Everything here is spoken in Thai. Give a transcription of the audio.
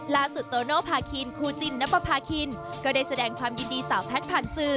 โตโนภาคินคูจินนับประพาคินก็ได้แสดงความยินดีสาวแพทย์ผ่านสื่อ